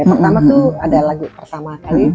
pertama tuh ada lagu pertama kali